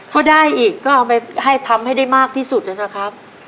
พอได้อีกก็เอาไปให้ทำให้ได้มากที่สุดนะครับ